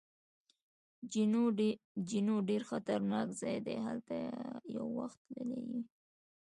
جینو: ډېر خطرناک ځای دی، هلته یو وخت تللی یې؟